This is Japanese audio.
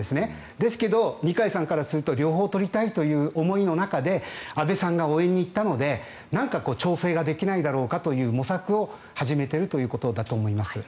ですけど、二階さんからすると両方取りたいという思いの中で安倍さんが応援に行ったのでなんか調整ができないだろうかという模索を始めているということだと思います。